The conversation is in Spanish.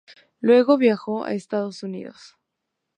Luego viajó a Estados Unidos.